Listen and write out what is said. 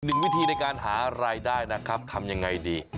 วิธีในการหารายได้นะครับทำยังไงดี